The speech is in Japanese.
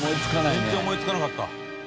全然思いつかなかった。